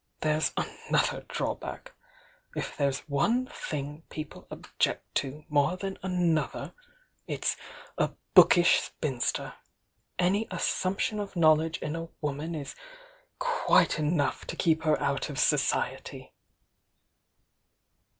"There's another drawback! If there's one thing people object to more than another, it's » bookish spinster! Any assumption of knowledge in a woman is quite enough to keep her out of so ciety!"